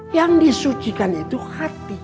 yang disucikan itu hal yang penting